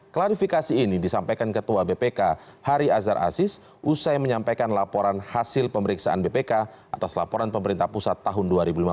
klarifikasi ini disampaikan ketua bpk hari azhar aziz usai menyampaikan laporan hasil pemeriksaan bpk atas laporan pemerintah pusat tahun dua ribu lima belas